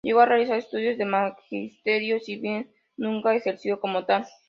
Llegó a realizar estudios de magisterio, si bien nunca ejerció como tal.